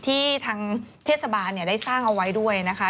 ทางเทศบาลได้สร้างเอาไว้ด้วยนะคะ